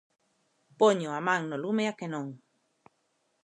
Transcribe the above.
Poño a man no lume a que non.